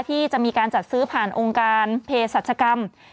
ที่จะมีการจัดซื้อผ่านองค์การเพศรัชกรรม